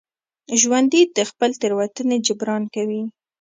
ژوندي د خپلې تېروتنې جبران کوي